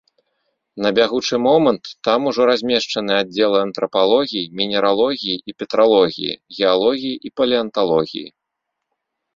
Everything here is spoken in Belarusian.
На бягучы момант там ужо размешчаны аддзелы антрапалогіі, мінералогіі і петралогіі, геалогіі і палеанталогіі.